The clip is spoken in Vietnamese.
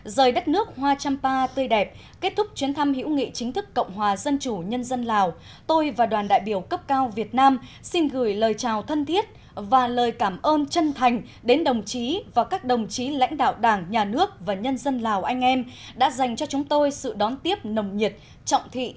rời đất nước hoa trăm pa tươi đẹp kết thúc chuyến thăm hữu nghị chính thức cộng hòa dân chủ nhân dân lào tôi và đoàn đại biểu cấp cao việt nam xin gửi lời chào thân thiết và lời cảm ơn chân thành đến đồng chí và các đồng chí lãnh đạo đảng nhà nước và nhân dân lào anh em đã dành cho chúng tôi sự đón tiếp nồng nhiệt